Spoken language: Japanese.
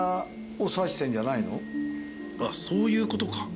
あっそういうことか。